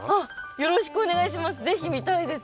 よろしくお願いします。